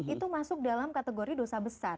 itu masuk dalam kategori dosa besar